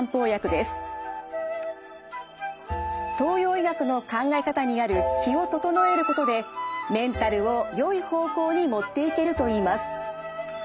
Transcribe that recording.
東洋医学の考え方にある気を整えることでメンタルをよい方向に持っていけるといいます。